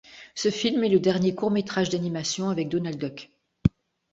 Ce film est le dernier court métrage d'animation avec Donald Duck.